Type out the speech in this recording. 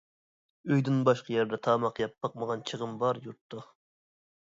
ئۆيدىن باشقا يەردە تاماق يەپ باقمىغان چېغىم بار يۇرتتا.